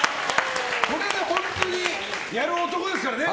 本当にやる男ですからね。